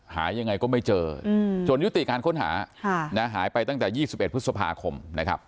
หายังไงก็ไม่เจอจนยุติการค้นหาหายไปตั้งแต่๒๑พฤษภาคมนะครับ